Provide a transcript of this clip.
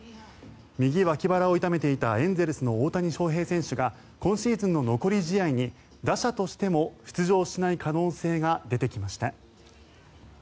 右脇腹を痛めていたエンゼルスの大谷翔平選手が今シーズンの残り試合に打者としても出場しない可能性が出てきました。